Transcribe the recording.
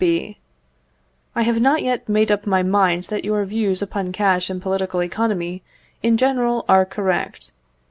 B. I have not yet made up my mind that your views upon cash and political economy in general are correct.